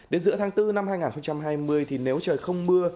đến giữa tháng bốn năm hai nghìn hai mươi thì nếu trời không mưa